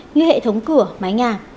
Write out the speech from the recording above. như hệ thống cửa mái nhà